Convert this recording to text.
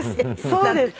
そうです。